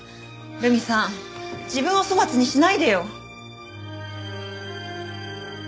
留美さん自分を粗末にしないでよ！